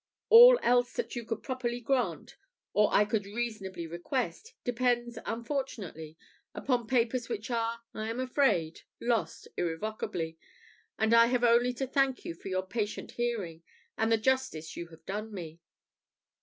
All else that you could properly grant, or I could reasonably request, depends, unfortunately, upon papers which are, I am afraid, lost irrecoverably; and I have only to thank you for your patient hearing, and the justice you have done me."